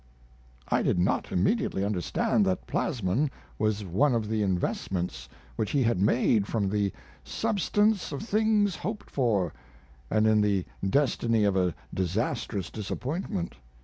I did not immediately understand that plasmon was one of the investments which he had made from "the substance of things hoped for," and in the destiny of a disastrous disappointment.